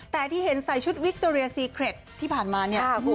แต่ที่เห็นใส่ชุดวิคโตเรียซีเครตที่ผ่านมาเนี่ย